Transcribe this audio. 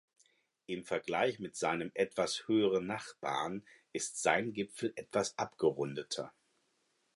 Im Vergleich mit seinem etwas höheren Nachbarn ist sein Gipfel etwas abgerundeter.